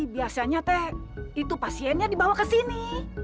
biasanya teh itu pasiennya dibawa kesini